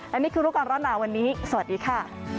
และนี่คือรู้ก่อนร้อนหนาวันนี้สวัสดีค่ะ